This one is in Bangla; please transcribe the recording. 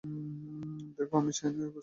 দেখ, আমি চাই না তুই এই অবস্থাতে গাড়ি চালা।